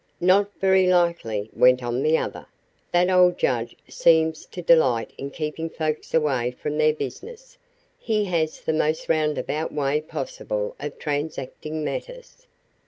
"Not very likely," went on the other. "That old judge seems to delight in keeping folks away from their business. He has the most roundabout way possible of transacting matters.